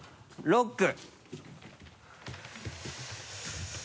ロック。